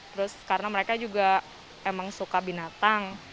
terus karena mereka juga emang suka binatang